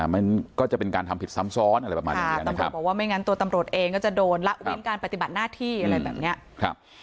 มันก็จะเป็นการทำผิดซ้ำซ้อนอะไรประมาณนี้แต่ตำรวจบอกว่าไม่งั้นตัวตำรวจเองก็จะโดนละเว้นการปฏิบัติหน้าที่อะไรแบบเนี้ยครับ